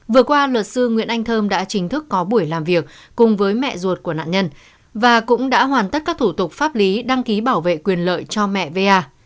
vừa qua luật sư nguyễn anh thơm đã chính thức có buổi làm việc cùng với mẹ ruột của nạn nhân và cũng đã hoàn tất các thủ tục pháp lý đăng ký bảo vệ quyền lợi cho mẹ va